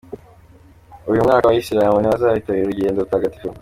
Uyu mwaka Abayisilamu ntibazitabira urugendo rutagatifu